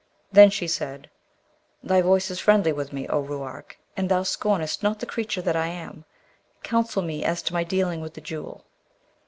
Then she said, 'Thy voice is friendly with me, O Ruark! and thou scornest not the creature that I am. Counsel me as to my dealing with the Jewel.'